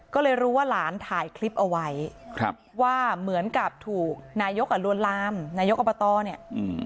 ก็เลยรู้ว่าหลานถ่ายคลิปเอาไว้ครับว่าเหมือนกับถูกนายกอ่ะลวนลามนายกอบตเนี่ยอืม